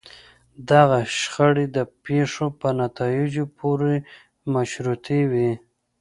دغه شخړې د پېښو په نتایجو پورې مشروطې وي.